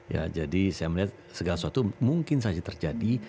ya jadi saya melihat segala sesuatu mungkin saja terjadi